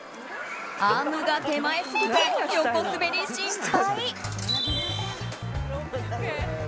アームが手前すぎて横滑り失敗。